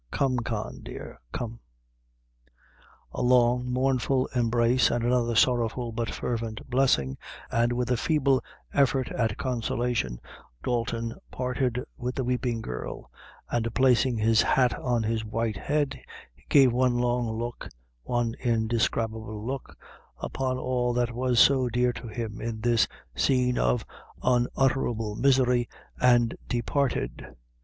Come, Con dear, come." A long mournful embrace, and another sorrowful but fervent blessing, and with a feeble effort at consolation, Dalton parted with the weeping girl; and placing his hat on his white head, he gave one long look one indescribable look upon all that was so dear to him in this scene of unutterable misery, and departed.